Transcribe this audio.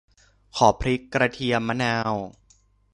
ขอพริก กระเทียม มะนาว